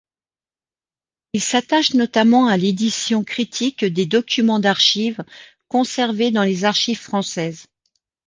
Il s'attache notamment à l'édition critiques des documents d'archives conservés dans les archives françaises.